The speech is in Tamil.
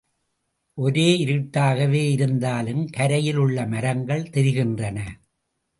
ஒரே இருட்டாகவே இருந்தாலும் கரையில் உள்ள மரங்கள் தெரிகின்றன.